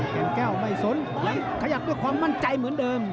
แก่งแก้วไม่สนขยับด้วยความมั่นใจเหมือนเดิม